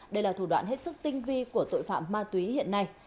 đây là thủ đoạn hết sức tinh vi của tội phạm ma túy hiện nay